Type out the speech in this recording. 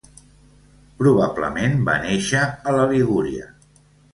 Probablement va néixer a la Ligúria.